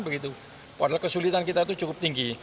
padahal kesulitan kita itu cukup tinggi